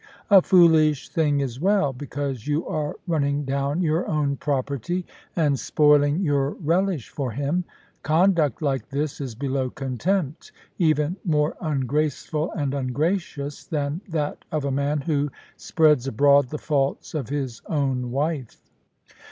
A foolish thing as well; because you are running down your own property, and spoiling your relish for him. Conduct like this is below contempt; even more ungraceful and ungracious than that of a man who spreads abroad the faults of his own wife.